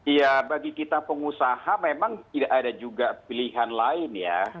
ya bagi kita pengusaha memang tidak ada juga pilihan lain ya